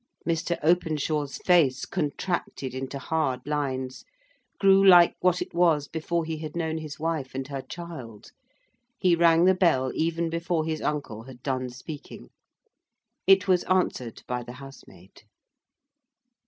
Mr. Openshaw's face contracted into hard lines: grew like what it was before he had known his wife and her child. He rang the bell even before his uncle had done speaking. It was answered by the housemaid.